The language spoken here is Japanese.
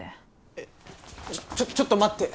えっちょちょっと待って！